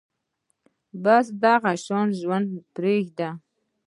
بس دغه شان ژوند نه پرېږدي